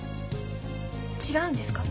違うんですか？